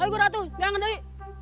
ayo gua datu diangan doi